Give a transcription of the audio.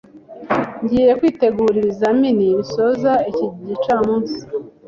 Ngiye kwitegura ibizamini bisoza iki gicamunsi.